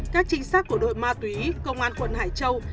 các trinh sát của đội ma túy công an quận hải châu